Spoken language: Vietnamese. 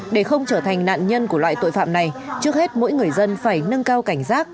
để không trở thành nạn nhân của loại tội phạm này trước hết mỗi người dân phải nâng cao cảnh giác